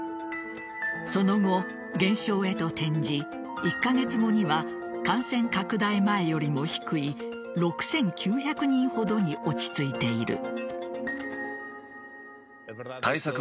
その後、減少へと転じ１カ月後には感染拡大前よりも低い６９００人ほどに落ち着いている。